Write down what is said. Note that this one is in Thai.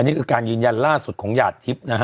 นี่คือการยืนยันล่าสุดของหยาดทิพย์นะฮะ